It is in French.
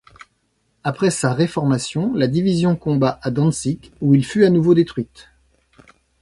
Après sa réformation, la division combat à Dantzig où il fut à nouveau détruite.